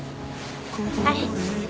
はい。